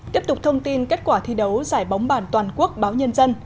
tiếp tục thông tin kết quả thi đấu giải bóng bàn toàn quốc báo nhân dân